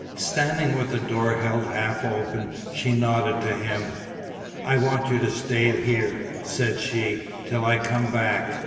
Standing with the door held half open she nodded to him. "I want you to stay here," said she, "till I come back.